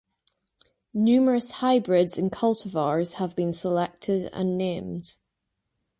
Numerous hybrids and cultivars have been selected and named.